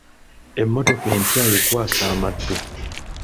Emmotoka empya ekwasa amaddu.